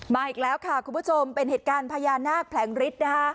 มาอีกแล้วค่ะคุณผู้ชมเป็นเหตุการณ์พญานาคแผลงฤทธิ์นะคะ